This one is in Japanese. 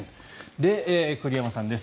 で、栗山さんです。